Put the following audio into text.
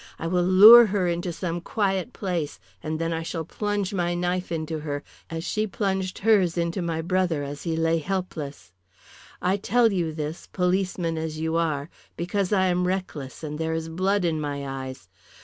I will lure her into some quiet place, and then I shall plunge my knife into her as she plunged hers into my brother as he lay helpless. I tell you this, policeman as you are, because I am reckless, and there is blood in my eyes.